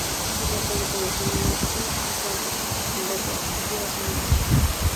Una calle en el suburbio de Cook, en Canberra, lleva su nombre.